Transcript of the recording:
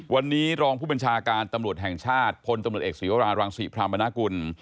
วันนี้รองผู้บัญชาการตำรวจแห่งชาติพลตำรวจเอกศีวรารังศรีพรามนากุล